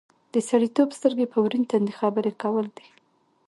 د سړیتوب سترګې په ورین تندي خبرې کول دي.